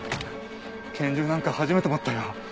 拳銃なんか初めて持ったよ。